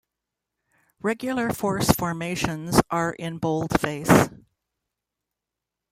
Regular Force formations are in bold face.